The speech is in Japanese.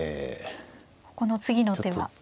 この次の手は。